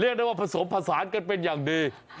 ได้ว่าผสมผสานกันเป็นอย่างดี